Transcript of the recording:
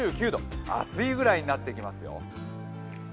暑いぐらいになってきますよ。